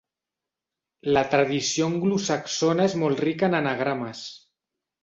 La tradició anglosaxona és molt rica en anagrames.